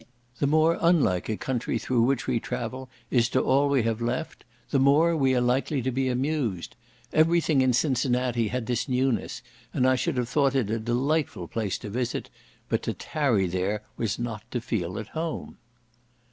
The more unlike a country through which we travel is to all we have left, the more we are likely to be amused; every thing in Cincinnati had this newness, and I should have thought it a place delightful to visit, but to tarry there was not to feel at home.